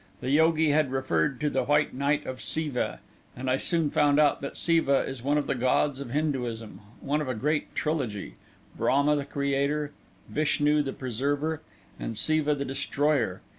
The yogi had referred to the White Night of Siva, and I soon found out that Siva is one of the gods of Hinduism one of a great trilogy: Brahma the creator, Vishnu the preserver, and Siva the destroyer.